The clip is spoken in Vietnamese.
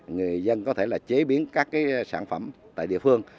người dân có thể là chế biến các sản phẩm tại địa phương